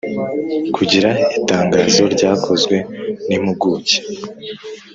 kugira itangazo ryakozwe n impuguke.